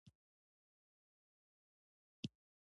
د ویښتانو ښه ساتنه ښکلا ډېروي.